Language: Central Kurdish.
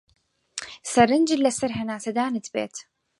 سەرنجت لەسەر هەناسەدانت بێت.